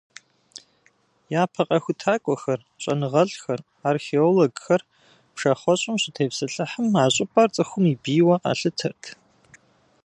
Япэ къэхутакӏуэхэр, щӏэныгъэлӏхэр, археологхэр пшахъуэщӏым щытепсэлъыхьым, а щӏыпӏэр цӏыхум и бийуэ къалъытэрт.